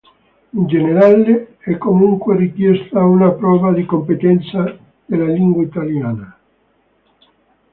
In generale è comunque richiesta una prova di competenza della lingua italiana.